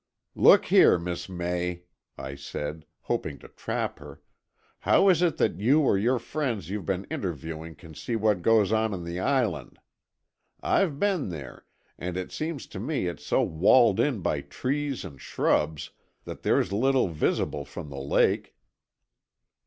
"Look here, Miss May," I said, hoping to trap her, "how is it that you or your friends you've been interviewing can see what goes on on the Island? I've been there, and it seems to me it's so walled in by trees and shrubs that there's little visible from the lake."